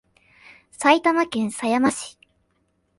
埼玉県狭山市